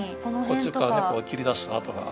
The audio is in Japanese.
こっち側ね切り出した跡が。